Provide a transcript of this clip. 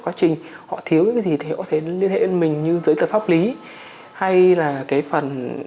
quá trình họ thiếu cái gì thì họ có thể liên hệ với mình như giới tập pháp lý hay là cái phần